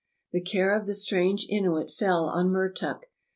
The care of the strange Inuit fell on Mertuk.